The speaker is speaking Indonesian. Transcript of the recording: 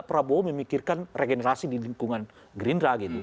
prabowo memikirkan regenerasi di lingkungan gerindra gitu